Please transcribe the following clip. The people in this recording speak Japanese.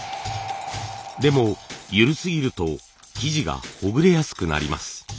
でも緩すぎると生地がほぐれやすくなります。